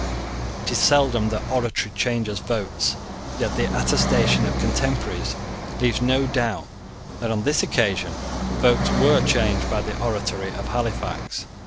It is seldom that oratory changes votes. Yet the attestation of contemporaries leaves no doubt that, on this occasion, votes were changed by the oratory of Halifax.